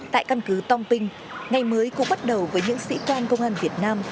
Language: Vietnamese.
tại căn cứ tông pinh ngày mới cũng bắt đầu với những sĩ quan công an việt nam